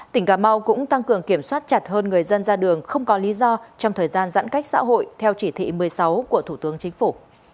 tỉnh cà mau cũng tăng cường kiểm soát chặt hơn người dân ra đường không có lý do trong thời gian giãn cách xã hội theo chỉ thị một mươi sáu của thủ tướng chính phủ